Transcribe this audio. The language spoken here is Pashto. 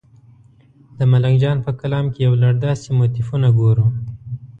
د ملنګ جان په کلام کې یو لړ داسې موتیفونه ګورو.